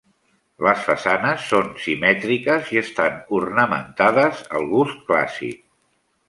Les façanes són simètriques i estan ornamentades al gust clàssic.